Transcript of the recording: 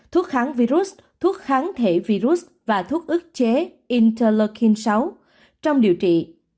thuốc kháng virus thuốc kháng thể virus và thuốc ức chế intelarkin sáu trong điều trị